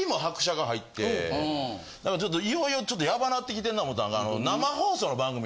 なんかちょっといよいよちょっとヤバなってきてんなと思ったんが。